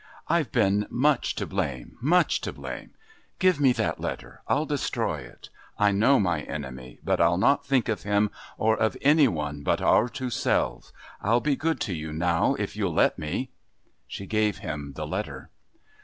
I've been much to blame much to blame. Give me that letter. I'll destroy it. I know my enemy, but I'll not think of him or of any one but our two selves. I'll be good to you now if you'll let me." She gave him the letter.